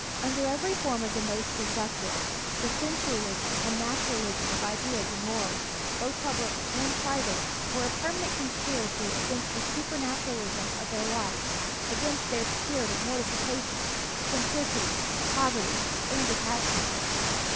Under every form the most seductive, the sensualism and naturalism of ideas and morals, both public and private, were a permanent conspiracy against the supernaturalism of their life, against their spirit of mortification, simplicity, poverty, and detachment.